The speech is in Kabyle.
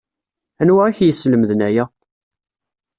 Anwa i k-yeslemden aya?